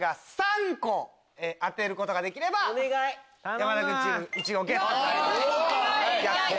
山田君チームイチゴゲットとなります。